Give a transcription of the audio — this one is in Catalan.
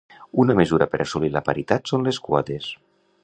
Una mesura per assolir la paritat són les quotes.